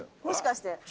もしかして。